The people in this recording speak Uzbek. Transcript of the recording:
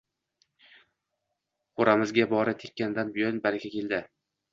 Qo`ramizga bo`ri tekkandan buyon baraka keldi